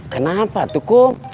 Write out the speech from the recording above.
kenapa tuh kum